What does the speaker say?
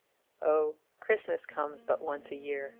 O, CHRISTMAS comes but once a year!